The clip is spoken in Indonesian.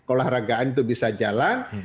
olahragaan itu bisa jalan